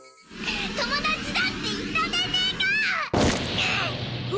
友達だって言ったでねえか！